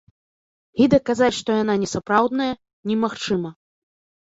І даказаць, што яна несапраўдная, немагчыма.